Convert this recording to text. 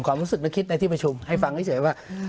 ความรู้สึกหรือคิดในที่ประชุมให้ฟังเฉยว่า